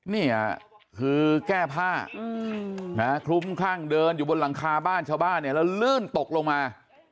นี่คือแก้ผ้าคลุ้มคลั่งเดินอยู่บนหลังคาบ้านชาวบ้านเนี่ยแล้วลื่นตกลงมา